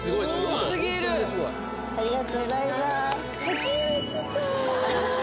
ありがとうございます